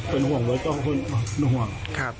เป็นห่วงไว้เจ้าคนหน่วง